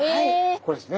これですね。